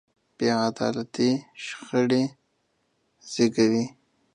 بې عدالتي شخړې زېږوي.